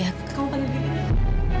kamu panggilin dia